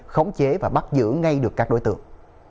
khống chế và bắt giữ ngay được các đối tượng